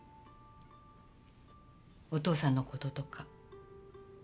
お父さんの事とか。